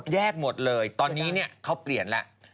แยกหมดเลยตอนนี้เนี้ยเขาเปลี่ยนละ